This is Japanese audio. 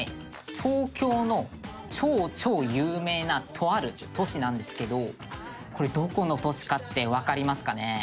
「東京の超超有名なとある都市なんですけどこれどこの都市かってわかりますかね？」